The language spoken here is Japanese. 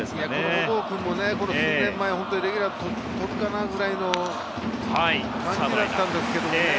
小郷君も数年前レギュラーを取るかなくらいの感じだったんですけどもね